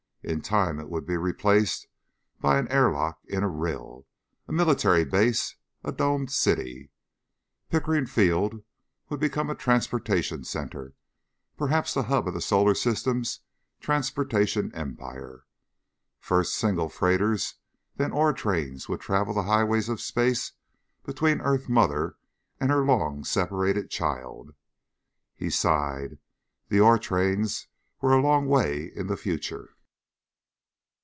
In time it would be replaced by an airlock in a rill ... a military base ... a domed city. Pickering Field would become a transportation center, perhaps the hub of the Solar System's transportation empire. First single freighters, then ore trains, would travel the highways of space between earth mother and her long separated child. He sighed. The ore trains were a long way in the future.